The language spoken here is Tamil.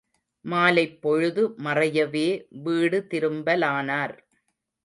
மாலைப் பொழுது மறையவே வீடு திரும்பலானார்.